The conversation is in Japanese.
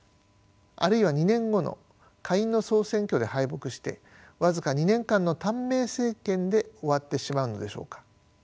あるいは２年後の下院の総選挙で敗北して僅か２年間の短命政権で終わってしまうのでしょうか。